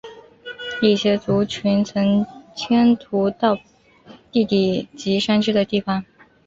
一些族群曾迁徙到低地及山区的地方。